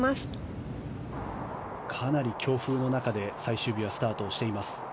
かなり強風の中で最終日はスタートしています。